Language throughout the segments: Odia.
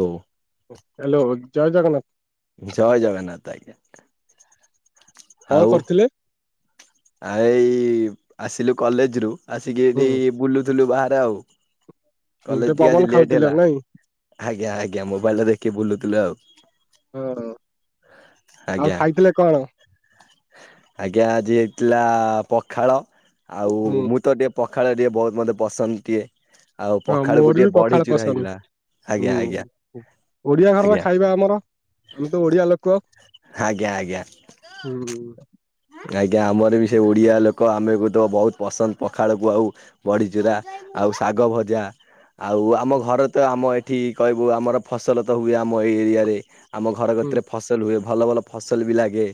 ହଉ ହ୍ୟାଲୋ, ଜୟ ଜଗନ୍ନାଥ। ଜୟ ଜଗନ୍ନାଥ, ଆଜ୍ଞା। କଣ କରୁଥିଲେ? ହଁ ଏଇ ଆସିଲୁ କଲେଜରୁୁ ଆସିକି ହୁଁ ଏଠି ବୁଲୁଥିଲୁ ବାହାରେ ଆଉ। ଗୋଟେ କଲେଜ୍ ଟିକେ ପବନ ଆଜି ଲେଟ୍ ଖାଉଥିଲେ ହେଲା ନାଇଁ ଆଜ୍ଞା ଆଜ୍ଞା ମୋବାଇଲ୍ ଟା ଦେଖିକି ବୁଲୁଥିଲୁ ଆଉ। ହଁ ଆଉ ଆଜ୍ଞା। ଖାଇଥିଲେ କଣ? ଆଜ୍ଞା ଆଜି ହେଇଥିଲା ପଖାଳ ଆଉ ହୁଁ ମୁଁ ତ ଟିକେ ପଖାଳ ଟିକେ ବହୁତ୍ ମତେ ପସନ୍ଦ ଟିକେ ଆଉ ହଁ ପଖାଳକୁ ମୋର ବି ଟିକେ ପଖାଳ ବଡିଚୂୁରା ପସନ୍ଦ ହେଇଥିଲା। ଆଜ୍ଞା ଆଜ୍ଞା ହୁଁ ଓଡିଆ ଘରର ଆଜ୍ଞା ଖାଇବା ଆମର ଆମେ ତ ଓଡିଆ ଲୋକ। ଆଜ୍ଞା ଆଜ୍ଞା। ହୁଁ ଆଜ୍ଞା ଆମରବି ସେ ଓଡ଼ିଆ ଲୋକ ଆମକୁତ ବହୁତ୍ ପସନ୍ଦ ପଖାଳକୁ ଆଉ ବଡିଚୁରା ଆଉ ଶାଗ ଭଜା। ଆଉ ଆମ ଘରେତ ଆମ ଏଠି କହିବୁ ଆମର ଫସଲ ତ ହୁଏ ଆମ ଏଇ ଏରିଆରେ। ଆମ ଘର ହୁଁ କତିରେ ଫସଲ ହୁଏ ଭଲ ଭଲ ଫସଲବି ଲାଗେ।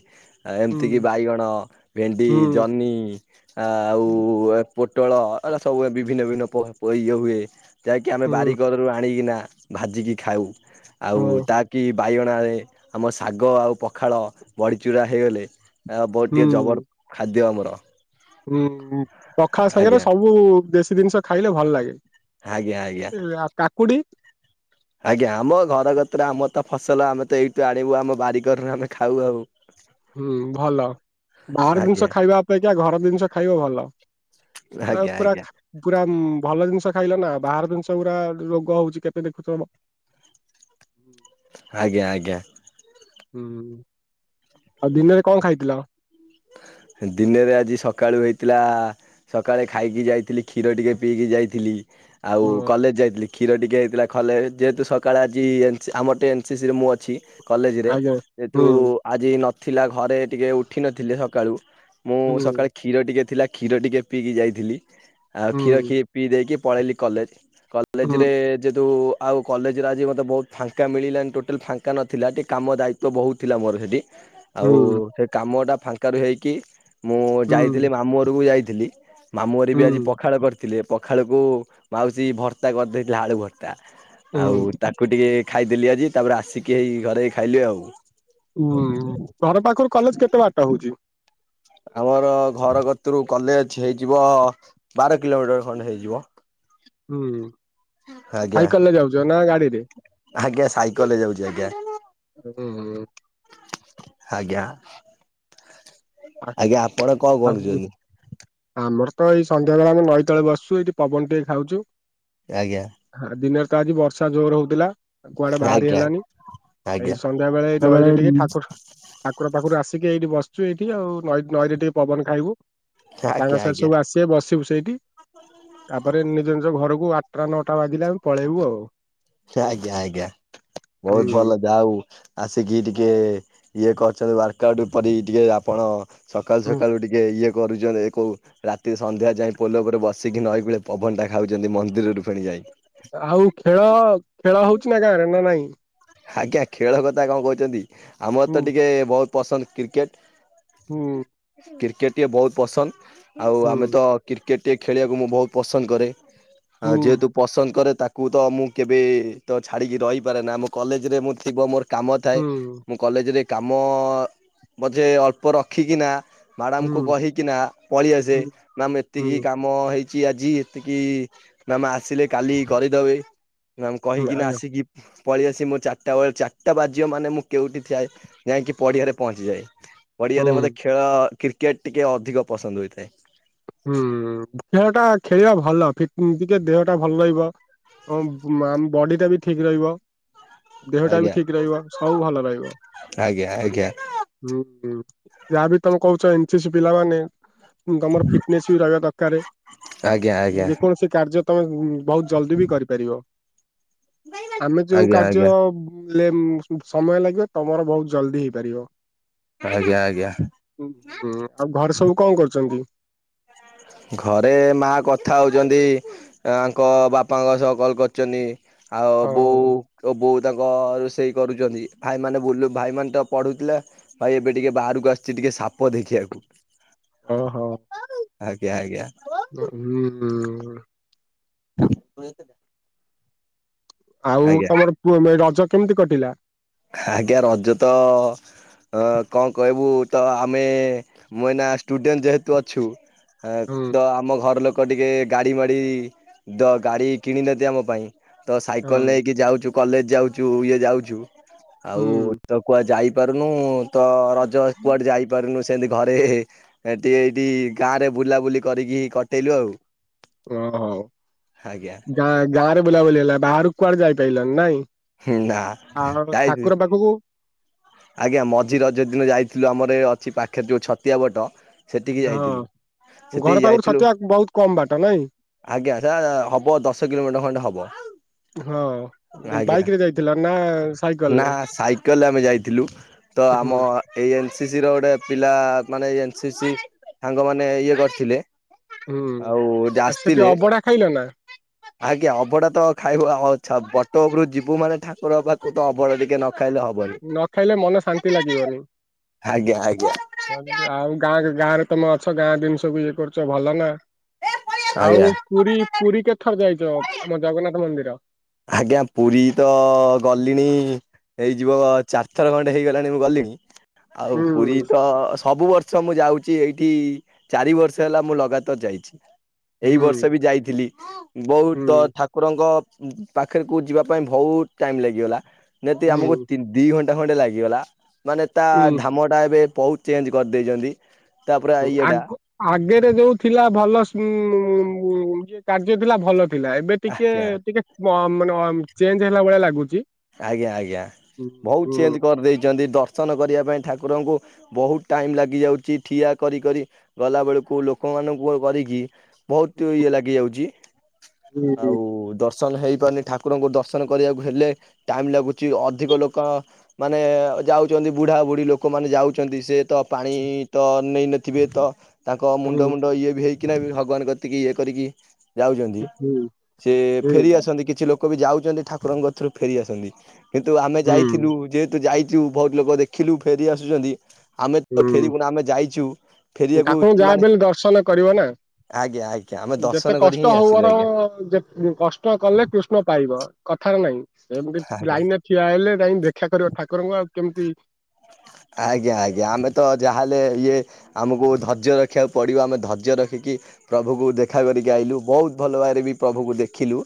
ଆ ଏମିତିକି ହୁଁ। ବାଇଗଣ, ଭେଣ୍ଡି, ହୁଁ ଜହ୍ନି। ଆ ଆଉ ପୋଟଳ ଏରା ସବୁ ବିଭିନ୍ନ ବିଭିନ୍ନ ପରିବା ଇଏ ହୁଏ। ଯାହାକି ଆମେ ହୁଁ ବାରିକରରୁ ଆଣିକିନା ଭାଜିକି ଖାଉ ହଁ ଆଉ ତାକି ବାଇଗଣରେ ଆମ ଶାଗ ଆଉ ପଖାଳ ବଡିଚୂୁରା ହେଇଗଲେ ବଡି ଟିକିଏ ଜବର ଖାଦ୍ୟ ଆମର। ହୁଁ ହୁଁ ପଖାଳ ସାଙ୍ଗରେ ଆଜ୍ଞା ସବୁ ଦେଶୀ ଜିନିଷ ଖାଇଲେ ଭଲ ଲାଗେ। ଆଜ୍ଞା ଆଜ୍ଞା। ଆଉ କାକୁଡ଼ି? ଆଜ୍ଞା ଆମ ଘର କତରେ ଆମ ତ ଫସଲ ଆମେ ତ ଏଇଠୁ ଆଣିବୁ ଆମ ବାରିକରରେ ଆମେ ଖାଉ ଆଉ। [inaudible] ହୁଁ ଭଲ, ବାହାର ଆଜ୍ଞା ଜିନିଷ ଖାଇବା ଅପେକ୍ଷା ଘର ଜିନିଷ ଖାଇବ ଭଲ। ଆଜ୍ଞା। ପୁରା ଆଜ୍ଞା ଖା ପୁରା ଭଲ ଜିନିଷ ଖାଇଲନା ବାହାର ଜିନିଷ ଗୁରା ରୋଗ ହୋଉଚି କେତେ ଦେଖୁଚ। ଆଜ୍ଞା ଆଜ୍ଞା। ହୁଁ ଆଉ ଦିନରେ କଣ ଖାଇଥିଲ? ଦିନରେ ଆଜି ସକାଳୁ ହେଇଥିଲା ସକାଳେ ଖାଇକି ଯାଇଥିଲି କ୍ଷୀର ଟିକିଏ ପିଇକି ଯାଇଥିଲି। ଆଉ ହୁଁ କଲେଜ ଯାଇଥିଲି। କ୍ଷୀର ଟିକିଏ ହେଇଥିଲା ଖଲେ ଯେହେତୁ ସକାଳେ ଆଜି ଏନ ଆମ ଟେନସିସି ରେ ମୁଁ ଅଛି। କଲେଜରେ ଆଜ୍ଞା ଯେହେତୁ ହୁଁ ଆଜି ନଥିଲା ଘରେ ଟିକିଏ ଉଠି ନଥିଲେ ସକାଳୁ ମୁଁ ହୁଁ ସକାଳେ କ୍ଷୀର ଟିକିଏ ଥିଲା। କ୍ଷୀର ଟିକିଏ ପିଇକି ଯାଇଥିଲି। ଆଉ ହୁଁ କ୍ଷୀରଖି ପିଇ ଦେଇକି ପଳେଇଲି କଲେଜ। ହୁଁ କଲେଜରେ ଯେହେତୁ ଆଉ କଲେଜରେ ଆଜି ମୋତେ ବହୁତ ଫାଙ୍କା ମିଳିଲାନି ଟୋଟାଲ୍ ଫାଙ୍କା ନଥିଲା ଟିକିଏ କାମ ଦାୟିତ୍ୱ ବହୁତ୍ ଥିଲା ମୋର ହେଠି। ଆଉ ହୁଁ ସେ କାମଟା ଫାଙ୍କାରୁ ହେଇକି ମୁଁ ଯାଇଥିଲି ହୁଁ ମାମୁଁ ଘରକୁ ଯାଇଥିଲି। ମାମୁଁଘଅଟି ବି ହୁଁ ଆଜି ପଖାଳ କରିଥିଲେ। ପଖାଳକୁ ମାଉସୀ ଭର୍ତ୍ତା କରିଦେଇଥିଲା ଆଳୁ ଭର୍ତ୍ତା। ଆଉ ହୁଁ ତାକୁ ଟିକିଏ ଖାଇଦେଲି ଆଜି। ତାପରେ ଆସିକି ହେଇ ଘରେ ଖାଇଲି ଆଉ। ହୁଁ ଘର ପାଖରୁ କଲେଜ କେତେ ବାଟ ହୋଉଚି? ଆମର ଘର କତିରୁ କଲେଜ ହେଇଯିବ ବାର କିଲୋମିଟର ଖଣ୍ଡେ ହେଇଯିବ। ହୁଁ। ଆଜ୍ଞା ସାଇକେଲରେ ଯାଉଚ ନା ଗାଡିରେ? ଆଜ୍ଞା ସାଇକେଲରେ ଯାଉଛି ଆଜ୍ଞା ହୁଁ ଉଁ। ଆଜ୍ଞା। ଆା ଆଜ୍ଞା ଆପଣ କଣ ଆ କରୁଛନ୍ତି? [inaudible] ଆମର ତ ଏଇ ସନ୍ଧ୍ୟା ବେଳେ ଆମେ ନଈ ତଳେ ବସୁଛୁ। ଏଇଠି ପବନ ଟିକିଏ ଖାଉଚୁ। ଆଜ୍ଞା। ହାଁ ଦିନେରେ ତ ଆଜି ବର୍ଷା ଯୋରେ ହୋଉଥିଲା। ଆଉ କୁଆଡେ ବାହାରି ଆଜ୍ଞା ହେଲାନି ଏଇ ଆଜ୍ଞା ସନ୍ଧ୍ୟା ବେଳେ ଏଇ ନଈରେ ଟିକିଏ ଠାକୁ ଠାକୁର ପାଖରୁ ଆସିକି ଏଇଠି ବସିଚୁ। ଏଇଠି ଆଉ ନଈରେ ଟିକିଏ ପବନ ଖାଇବୁ। ଆଜ୍ଞା ସାଙ୍ଗ ଆଜ୍ଞା ଆଜ୍ଞା ସାଥି ସବୁ ଆସିବେ ବସିବୁ ସେଇଠି। ତାପରେ ନିଜ ନିଜ ଘରକୁ ଆ ଆଠଟା ନଅଟା ବାଜିଲେ ଆମେ ପଳେଇବୁ ଆଉ। ଯାଆ ଯାଆ ଆଜ୍ଞା। ବହୁତ୍ ହୁଁ ଭଲ ଯାଉ। ଆସିକି ଟିକିଏ ଇଏ କରୁଚନ୍ତି ୱାର୍କ ଆଉଟ୍ ପରି ଟିକିଏ ଆପଣ ସକାଳୁ ହୁଁ ସକାଳୁ ଟିକ ଏଇଯେ କରୁଚନ୍ତି ଏକୁ ରାତି ସନ୍ଧ୍ୟା ଯାଏଁ ପୋଲ ଉପରେ ବସିକି ନଈକୂଳେ ପବନ ଟା ଖାଉଚନ୍ତି ମନ୍ଦିରରୁ ଫେଣି ଯାଇକି। ଆଉ ଖେଳ ଖେଳ ହୋଉଚି ନା ଗାଁରେ ନା ନାଇଁ? ଆଜ୍ଞା ଖେଳ କଥା କଣ କହୁଚନ୍ତି। ଆମର ହୁଁ ତ ଟିକିଏ ବହୁତ୍ ପସନ୍ଦ କ୍ରିକେଟ୍। ହୁଁ। କ୍ରିକେଟିଏ ବହୁତ୍ ପସନ୍ଦ। ଆଉ ଆମେ ହୁଁ ତ କ୍ରିକେଟ୍ ଟିଏ ଖେଳିବାକୁ ମୁଁ ବହୁତ୍ ପସନ୍ଦ କରେ। ହୁଁ ଆଉ ଯେହେତୁ ପସନ୍ଦ କରେ ତାକୁ ତ ମୁଁ କେବେ ତ ଛାଡ଼ିକି ରହିପାରେ ନା। ମୋ କଲେଜରେ ମୁଁ ଥିବ ମୋର କାମ ଥାଏ। ହୁଁ ମୁଁ କଲେଜରେ କାମ ମଝିରେ ଅଳ୍ପ ରଖିକିନା ମାଡାମଙ୍କୁ ହୁଁ କହିକି ନା ପଳେଇଆସେ। ହୁଁ ମାମ୍ ଏତିକି ହୁଁ କାମ୍ କାମ ହେଇଚି ଆଜି ଏତିକି ମାମ୍ ଆସିଲେ କାଲି କରିଦବି। ମାମ୍ ହୁଁ କହିକିନା ଆଜ୍ଞା ଆସିକି ପଳେଇ ଆସି ମୋ ଚାରିଟା ବେଳେ ଚାରିଟା ବାଜିବ ମାନେ ମୁଁ କେଉଁଠି ଠିଆଇ ଯାଇକି ପଡ଼ିଆରେ ପହଞ୍ଚିଯାଏ। ପଡ଼ିଆରେ ହୁଁ ମୋତେ ଖେଳ କ୍ରିକେଟ ଟିକିଏଅଧିକ ପସନ୍ଦ ହୋଇଥାଏ। ହୁଁ ଖେଳ ଟା ଖେଳିବା ଭଲ। କି ଟିକିଏ ଦେହ ଟା ଭଲ ରହିବ। ହଁମ୍ ଆମ ବଡି ଟା ବି ଠିକ୍ ରହିବ। ଦେହଟା ବି ଆଜ୍ଞା ଠିକ୍ ରହିବ। ସବୁ ଭଲ ରହିବ। ଆଜ୍ଞା ଆଜ୍ଞା ହୁଁ ହୁଁ ଯାହାବି ତମେ କହୁଛ ଏନ୍ ସି ସି ପିଲାମାନେ ଗମର ଫି ଫିନିସି ବି ରହିବା ଦରକାର ଆଜ୍ଞା ଆଜ୍ଞା ଯେକୌଣସି କାର୍ଯ୍ୟ ତମେ ବହୁତ ଜଲ୍ଦି ବି କରିପାରିବ। ଆମେ ଯୋଉ ଆଜ୍ଞା ଆଜ୍ଞା। କାର୍ଯ୍ୟ ଲେ ସମୟ ଲାଗିବ ତମର ବହୁତ ଜଲ୍ଦି ହେଇପାରିବ। ଆଜ୍ଞା ଆଜ୍ଞା। ହୁଁ ହୁଁ ଆଉ ଘରେ ସବୁ କଣ କରୁଛନ୍ତି? ଘରେ ମା କଥା ହଉଛନ୍ତି। ତାଙ୍କ ବାପାଙ୍କ ସହ କଲ୍ କରିଛନ୍ତି ଆଉ ବୋଉ ହଉ ଓ ବୋଉ ତାଙ୍କ ରୋଷେଇ କରୁଛନ୍ତି ଭାଇମାନେ ବୁଲୁ ଭାଇମାନେ ତ ପଢ଼ୁଥିଲେ। ଭାଇ ଏବେ ଟିକେ ବାହାରକୁ ଆସିଛି ଟିକେ ସାପ ଦେଖିବାକୁ। ଓହୋ। ଆଜ୍ଞା ଆଜ୍ଞା। ହୁଁ ତାଙ୍କୁ କହିଦେବା। ଆଉ ତମର ପୁଅ ଏ ରଜ କେମିତି କଟିଲା? ଆଜ୍ଞା ରଜ ତ ଅଁ କଣ କହିବୁ ତ ଆମେ ମୁଁ ଏଇନା ଷ୍ଟୁଡେଣ୍ଟ ଯେହେତୁ ଅଛୁ। ଅଁ ହୁଁ ତ ଆମ ଘର ଲୋକ ଟିକେ ଗାଡ଼ି ମାଡ଼ି ତ ଗାଡ଼ି କିଣିନାନ୍ତି ଆମ ପାଇଁ ତ ସାଇକେଲ ହଁ ନେଇକି ଯାଉଚୁ କଲେଜ ଯାଉଚୁ ଇଏ ଯାଉଛୁ। ଆଉ ହୁଁ ତ କୁଆ ଯାଇ ପାରୁନୁ ତ ରଜ କୁଆଡେ ଯାଇପାରୁନୁ ଏମିତି ଘରେ ଟିକେ ଏଇଠି ଗାଁ ରେ ବୁଲାବୁଲି କରିକି କଟେଇଲୁ ଆଉ। ଓହୋ ଆଜ୍ଞା ଗାଁ ଗାଁ ରେ ବୁଲାବୁଲି ହେଲା ବାହାରକୁ କୁଆଡେ ଯାଇପାରିଲାନି ନାଇଁ। ହୁଁ ନା ଆଉ ଯାଇଥିଲି ଠାକୁର ପାଖକୁ। ଆଜ୍ଞା ମଝି ରଜ ଦିନ ଯାଇଥିଲୁ ଆମର ଏ ଅଛି ପାଖରେ ଯୋଉଁ ଛତିଆ ବଟ। ସେଠିକି ହଁ ଯାଇଥିଲୁ। ସେଠିକି ଘର ପାଖରୁ ଯାଇଥିଲୁ ଛତିଆ ବହୁତ କମ୍ ବାଟ ନାଇଁ? ଆଜ୍ଞା ସେ ହବ ଦଶ କିଲୋମିଟର ଖଣ୍ଡେ ହବ। ହଁ। ଆଜ୍ଞା ବାଇକ ରେ ଯାଇଥିଲ ନା ସାଇକେଲ ନା ରେ ସାଇକେଲରେ ଆମେ ଯାଇଥି ଲୁ ତ ହୁଁ ଆମ ଏଇ ଏନ୍ ସି ସି ର ଗୋଟେ ପିଲା ମାନେ ଏନ୍ ସି ସି ସାଙ୍ଗ ମାନେ ଇଏ କରିଥିଲେ। ହୁଁ ଆଉ ଆଉ ସେଠି ଆସିଥିଲେ। ଅବଢା ଖାଇଲ ନା? ଆଜ୍ଞା ଅବଡା ତ ଖାଇବୁ ଆଉ ଛ ବଟ ଉପରୁକୁ ଯିବୁ ମାନେ ଠାକୁରଙ୍କ ପାଖକୁ ତ ଅଭଡା ଟିକେ ନ ଖାଇଲେ ହବନି। ନ ଖାଇଲେ ମନ ଶାନ୍ତି ଲାଗିବନି। ଆଜ୍ଞା ଆଜ୍ଞା। ଆଉ ଗାଁ ଗାଁ ରେ ତମେ ଅଛ ଗାଁ ଜିନିଷକୁୁ ଇଏ କରୁଛ ଭଲ ନା। ଆଉ ଆଜ୍ଞା। ପୁରୀ ପୁରୀ କେ ଥର ଯାଇଛ ଆମ ଜଗନ୍ନାଥ ମନ୍ଦିର? ଆଜ୍ଞା ପୁରୀ ତ ଗଲିଣି ହେଇଯିବ ଚାରିଥର ଖଣ୍ଡେ ହେଇଗଲାଣି ମୁଁ ଗଲିଣି। ଆଉ ହୁଁ ପୁରୀ ତ ସବୁ ବର୍ଷ ମୁଁ ଯାଉଚି ଏଇଠି ଚାରି ବର୍ଷ ହେଲା ମୁଁ ଲଗାତାର ଯାଇଚି। ଏଇ ହୁଁ ବର୍ଷ ବି ଯାଇଥିଲି ବହୁତ ହୁଁ ଠାକୁରଙ୍କ ପାଖରେକୁ ଯିବା ପାଇଁ ବହୁତ ଟାଇମ୍ ଲାଗିଗଲା ନିହାତି ଆମକୁ ହୁଁ ତି ଦି ଘଣ୍ଟା ଖଣ୍ଡେ ଲାଗିଗଲା। ମାନେ ତା ହୁଁ ଧାମଟା ଏବେ ବହୁତ ଚେଞ୍ଜ୍ କରିଦେଇଛନ୍ତି। ତାପରେ ହୁଁ ଇଏଟା ଆଗ୍ ଆଗରେ ଯୋଉ ଥିଲା ଭଲ ଉଁ କାର୍ଯ୍ୟ ଥିଲା ଭଲ ଥିଲା। ଏବେ ଏବେ ଟିକେ ଆଜ୍ଞା ଟିକେ ମ ମାନେ ଚେଞ୍ଜ୍ ହେଲା ଭଳିଆ ଲାଗୁଚି। ଆଜ୍ଞା ଆଜ୍ଞା ବହୁତ ଚେଞ୍ଜ କରିଦେଇଚନ୍ତି ଦର୍ଶନ କରିବା ପାଇଁ ଠାକୁରଙ୍କୁ ବହୁତ ଟାଇମ ଲାଗି ଯାଉଚି ଠିଆ କରି କରି ଗଲା ବେଳକୁ ଲୋକମାନଙ୍କୁ ଆଉ କରିକି ବହୁତ ଇଏ ହୁଁ ଲାଗି ଯାଉଚି ହୁଁ ଆଉ ଦଶ ଶନ ହେଇପାରୁନି ଠାକୁରଙ୍କୁ ଦର୍ଶନ କରିବାକୁ ହେଲେ ଟାଇମ୍ ଲାଗୁଚି ଅଧିକ ଲୋକ ମାନେ ଯାଉଚନ୍ତି ବୁଢ଼ାବୁଢ଼ୀ ଲୋକମାନେ ଯାଉଛନ୍ତି ସେ ତ ପାଣି ତ ନେଇନଥିବେ ତ ତାଙ୍କ ହୁଁ ମୁଣ୍ଡ ମୁଣ୍ଡ ଇଏ ବି ହେଇ କିନା ବି ଭଗବାନ କତିକି ଇଏ କରିକି ଯାଉଚନ୍ତି ହୁଁ ସେ ଫେରି ହୁଁ ଆସନ୍ତି କିଛି ଲୋ କୋ ବି ଯାଉଚନ୍ତି ଠାକୁରଙ୍କ ଗତରୁ ଫେରି ଆସନ୍ତି କିନ୍ତୁ ଆମେ ହୁଁ ଯାଇଥିଲୁ ଯେହେତୁ ଯାଇ ଚୁ ବହୁତ ଲୋକ ଦେଖିଲୁ ଫେରି ଆସୁଚନ୍ତି ଆମେ ତ ହୁଁ। ଫେରିବୁ ନା ଆମେ ଯାଇଛୁ ଫେରିବାକୁ ଠାକୁରଙ୍କୁ ଯାହା ମାନେ ବି ହେଲେ ଦର୍ଶନ କରିବ ନା ଆଜ୍ଞା ଆଜ୍ଞା ଆମେ ଦର୍ଶନ ଯେତେ କରି ହିଁ କଷ୍ଟ ହଉ ଆସିଲୁ ଆଜ୍ଞା ବରଂ ଯେ କଷ୍ଟ କଲେ କୃଷ୍ଣ ପାଇବ କଥାର ନାଇଁ ସେମିତି ଆଜ୍ଞା। ଲାଇନ ଠିଆ ହେଲେ ଯାଇଁ ଦେଖା କରିବ ଠାକୁରଙ୍କୁ ଆଉ କେମିତି ଆଜ୍ଞା ଆଜ୍ଞା ଆମେ ତ ଯାହାହେଲେ ଇଏ ଆମୁକୁ ଧୈର୍ଯ୍ୟ ରଖିବାକୁ ପଡ଼ିବ ଆମେ ଧୈର୍ଯ୍ୟ ରଖିକି ପ୍ରଭୁକୁ ଦେଖା କରିକି ଆଇଲୁ ବହୁତ ଭଲ ଭାବେରେବି ପ୍ରଭୁକୁ ଦେଖିଲୁ।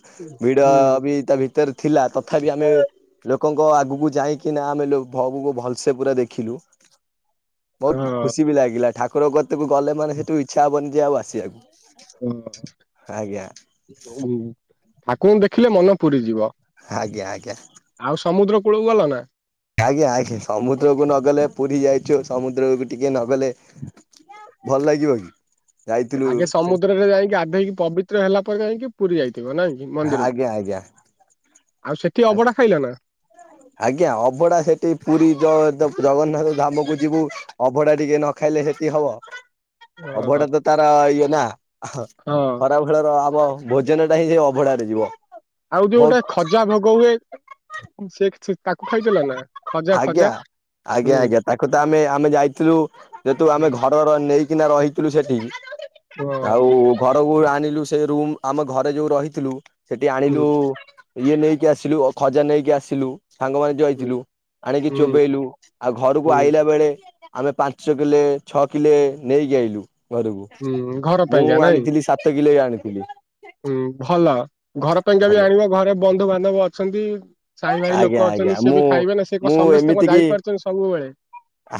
ଭିଡ ହୁଁ ବି ତାଭିତରେ ଥିଲା ତଥାପି ଆମେ ଲୋକଙ୍କ ଆଗକୁ ଯାଇ କିନା ଆମେ ଲୋ ପଭୁଙ୍କୁ ଭଲସେ ପୁରା ଦେଖିଲୁ ଅ, ବହୁତ ଖୁସିବି ଲାଗିଲା ଠା ଠାକୁର କତିକୁ ଗଲେ ମାନେ ହେଠୁ ଇଛା ହବନି ଯେ ଆଉ ଆସିବାକୁ ଆଜ୍ଞା। ହୁଁ ଠାକୁରଙ୍କୁ ଦେଖିଲେ ମନ ପୁରିଯିବ। ଆଜ୍ଞା ଆଜ୍ଞା। ଆଉ ସମୁଦ୍ର କୂଳକୁ ଗଲନା? ଆଜ୍ଞା ଆଜ୍ଞା ସମୁଦ୍ରକୁ ନଗଲେ ପୁରୀ ଯାଇଚୁ ସମୁଦ୍ରକୁ ଟିକେ ନଗଲେ ଭଲ ଲାଗିବକି? ଆଗେ ସମୁଦ୍ରରେ ଯାଇଁକି ଗାଧେଇକି ପବିତ୍ର ହେଲା ପରେ ଯାଇଁକି ପୁରୀ ଯାଇଥିବ ନା କି ଆଜ୍ଞା ଆଜ୍ଞା। ମନ୍ଦିରକୁ ଆଉ ସେଠି ଅବଢା ଖାଇଲନା? ଆଜ୍ଞା ଅଭଡା ସେଠି ପୁରୀ ଜ ଦ ଜଗନ୍ନାଥ ଧାମକୁ ଯିବୁ ଅଭଡା ଟିକେ ନଖାଇଲେ ହେଟି ହବ ଅ, ଅଭଡାତ ତାର ଇଏନା ହଁ। ଖରା ବେଳର ଆମ ଭୋଜନଟା ହିଁ ସେ ଅବଢାରେ ଯିବ। ଆଉ ବହୁତ ଯୋଉଟା ଖଜା ଭୋଗ ହୁଏ ସେ କିଛି ତାକୁ ଖାଇଦେଲ ନା? ଖଜା ଖଜା ଆଜ୍ଞା ଆଜ୍ଞା ହୁଁ ଆଜ୍ଞା ତାକୁ ତ ଆମେ ଆମେ ଯାଇଥିଲୁ ଯେହେତୁ ହୁଁ ଆମେ ଘର୍ ଘର ନେଇକିନା ରହିଥିଲୁ ସେଠି ଆଉ ହଁ ଘରକୁ ଆଣିଲୁ ସେ ରୁମ୍ ଆମ ଘରେ ଯୋଉ ରହିଥିଲୁ ସେଠି ହୁଁ ଆଣିଲୁ ଇଏ ନେଇକି ଆସିଲୁ ଅ ଖଜା ନେଇକି ଆସିଲୁ। ସାଙ୍ଗମାନେ ଯାଉ ହୁଁ ଆଇଥିଲୁ ଆଣିକି ହୁଁ ଚୋବେଇଲୁ ଆଉ ଘରକୁ ହୁଁ। ଆଇଲା ବେଳେ ଆମେ ପାଞ୍ଚ କିଲେ ଛଅ କିଲେ ନେଇକି ଆଇଲୁ। ଘରକୁ ହୁଁ ଘର ମୁଁ ପାଇଁକା ନାଇଁ ଆଣିଥିଲି ସାତ କିଲେ ଆଣିଥିଲି। ହୁଁ ଭଲ ଘରପାଇଁକା ବି ଆଜ୍ଞା ଆଣିବ ଘରେ ବନ୍ଧୁବାନ୍ଧବ ଅଛନ୍ତି। ସାଇ ଭାଇ ଆଜ୍ଞା ଲୋକ ଆଜ୍ଞା ଅଛନ୍ତି ମୁଁ ସିଏବି ଖାଇବେନା ସେ କଣ ମୁଁ ସମସ୍ତେ ଯାଇପାରୁଚନ୍ତି ସବୁବେଳେ।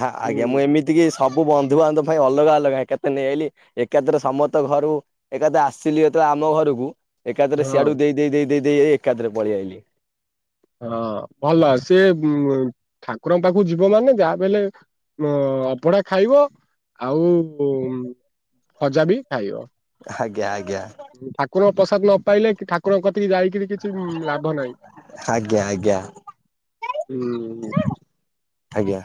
ହଁ ଆଜ୍ଞା ମୁଁ ହୁଁ। ଏମି ଏତିକି ସବୁ ବନ୍ଧୁବାନ୍ଧବ ପାଇଁ ଅଲଗା ଅଲଗା ଏକାଥରେ ନେଇଆଇଲି ଏକାଥରେ ସମସ୍ତ ଘରୁ ଏକାଦ ଆସିଲି ଯେତେବେଳେ ଆମ ଘରକୁ ଏକାଥରେ ସିଆଡୁ ହଁ ଦେଇ ଦେଇ ଦେଇ ଦେଇ ଦେଇ ଏଇ ଏକାଥରେ ପଳେଇ ଆଇଲି। ହଁ ଭଲ ସିଏ ଉଂ ଠାକୁରଙ୍କ ପାଖକୁ ଯିବ ମାନେ ଯାହାବି ହେଲେ ମ ଅବଢା ଖାଇବ ଆଉ ଉଁ ଖଜାବି ଖାଇବ। ଆଜ୍ଞା ଆଜ୍ଞା। ଠାକୁରଙ୍କ ପ୍ରସାଦ ନପାଇଲେ ଠାକୁରଙ୍କ କତିକି ଯାଇକିରି କିଛି ଉଁ, ଲାଭ ନାହିଁ। ଆଜ୍ଞା ଆଜ୍ଞା। ହୁଁ ଆଜ୍ଞା।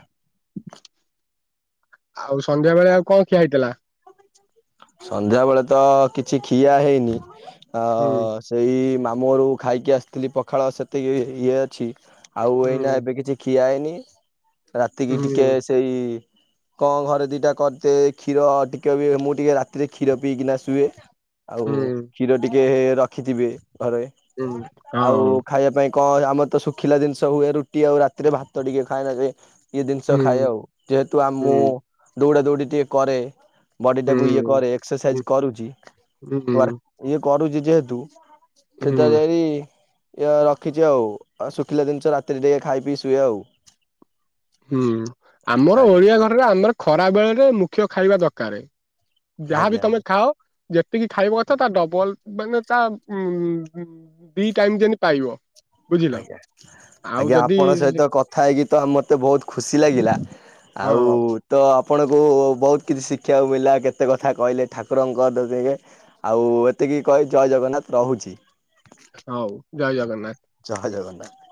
ଆଉ ସନ୍ଧ୍ୟା ବେଳେ ଆଉ କଣ ଖିଆ ହେଇଥିଲା? ସନ୍ଧ୍ୟାବେଳେତ କିଛି ଖିଆ ହେଇନି ଆ ହୁଁ ସେଇ ମାମୁଁଘରୁ ଖାଇକି ଆସିଥିଲି ପଖାଳ ସେତିକି ଇଏ ଅଛି ଆଉ ହୁଁ ଏଇନା ଏବେ କିଛି ଖିଆହେଇନି ହୁଁ ରାତିକିଟିକେ ଏଇ କଣ ଘରେ ଦିଟା କରିତେ କ୍ଷୀର ଟିକେବି ମୁଁ ଟିକେ ରାତି ରେ କ୍ଷୀର ପିଇକିନାସୁଏ ଆଉ ହୁଁ କ୍ଷୀର ଟିକିଏ ରଖିଥିବେ ଘରେ ହୁଁ ଆଉ ହଁ। ଖାଇବା ପାଇଁ କଣ ଆମରତ ଶୁଖିଲା ଜିନିଷ ହୁଏ ରୁଟି ଆଉ ରାତିରେ ଭାତ ଟିକେ ଖାଏନା ସେଇ ଇଏ ଜିନିଷ ହୁଁ ଖାଏ ଆଉ ଯେହେତୁ ହୁଁ ମୁଁ ଦୌଡ଼ା ଦୌଡ଼ି ଟିକେ କରେ ବଡିଟାକୁ ଇଏ ହୁଁ। କରେ ଏକ୍ସରସାଇଜ କରୁଚି ହୁଁ ହୁଁ ୱାର୍କ ଇଏ କରୁଚି ଯେହେତୁ ହୁଁ ସେତାଜେରି ଇଏ ରଖିଛି ଆଉ ଆଉ ଶୁଖିଲା ଜିନିଷ ରାତିରେ ଟିକେ ଖାଇ ପିଇ ଶୁଏ ଆଉ। ହୁଁ ଆମର ଆଜ୍ଞା ଓଡିଆ ଘରରେ ଆମର ଖରା ବେଳରେ ମୁଖ୍ୟ ଖାଇବା ଦରକାରେ। ଯାହାବି ଆଜ୍ଞା ତମେ ଆଜ୍ଞା ଖାଅ ଯେତିକି ଖାଇବା କଥା ତାଡବଲ ମାନେ ତା ଉଁ ଦି ଟାଇମ ଯେମିତି ପାଇବ। ବୁଝିଲ ଆଉ ଆଜ୍ଞା ଯଦି ଆପଣଙ୍କ ସହିତ‌ କ କଥା ହେଇକି ତ ମୋତେ ବହୁତ ଖୁସି ଲାଗିଲା ହଁ ଆଉ ତ ଆପଣଙ୍କୁ ବହୁତ୍ କିଛି ଶିଖିବାକୁ ମିଳିଲା କେତେ କଥା କହିଲେ ଠାକୁରଙ୍କ ଆଉ ଏତିକି କହି ଜୟ ଜଗନ୍ନାଥ ରହୁଛି। ହୋଉ ଜୟ ଜଗନ୍ନାଥ। ଜୟ ଜଗନ୍ନାଥ।